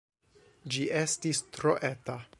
Ĝi estis tro eta.